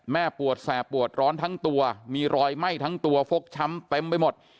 ปวดแสบปวดร้อนทั้งตัวมีรอยไหม้ทั้งตัวฟกช้ำเต็มไปหมด